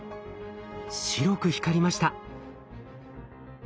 白く光りました。